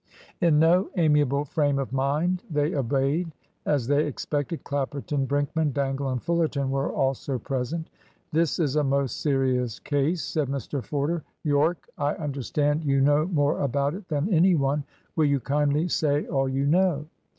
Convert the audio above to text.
In no amiable frame of mind they obeyed. As they expected, Clapperton, Brinkman, Dangle, and Fullerton were also present. "This is a most serious case," said Mr Forder. "Yorke, I understand you know more about it than any one. Will you kindly say all you know?"